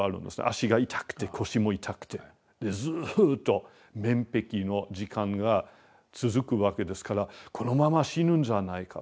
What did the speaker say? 足が痛くて腰も痛くてずっと面壁の時間が続くわけですからこのまま死ぬんじゃないかと。